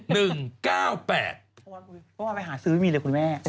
เมื่อวานไปหาซื้อมีเลยคุณแม่